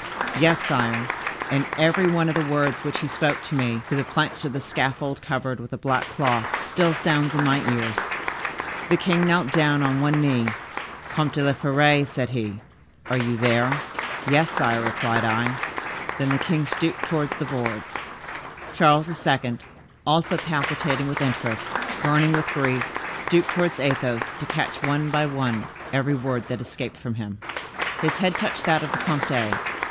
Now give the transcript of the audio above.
"Yes, sire; and every one of the words which he spoke to me, through the planks of the scaffold covered with a black cloth, still sounds in my ears. The king knelt down on one knee: 'Comte de la Fere,' said he, 'are you there?' 'Yes, sire,' replied I. Then the king stooped towards the boards." Charles II., also palpitating with interest, burning with grief, stooped towards Athos, to catch, one by one, every word that escaped from him. His head touched that of the comte.